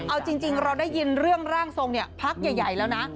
เอาจริงเราได้ยินเรื่องร่างทรงพักใหญ่แล้วนะ